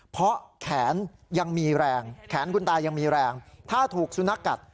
เพราะแขนยังมีแรงแขนคุณตายังมีแรงถ้าถูกสุนัขกัด